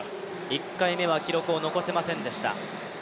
１回目は記録を残せませんでした。